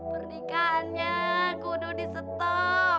pernikahannya kudu di stop